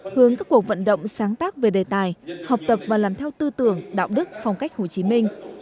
hướng các cuộc vận động sáng tác về đề tài học tập và làm theo tư tưởng đạo đức phong cách hồ chí minh